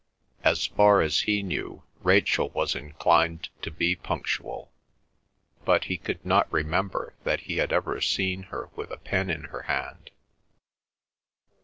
As far as he knew Rachel was inclined to be punctual, but he could not remember that he had ever seen her with a pen in her hand.